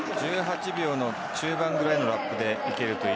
１８秒の中盤ぐらいのラップで。